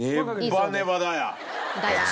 「ネバネバだや」。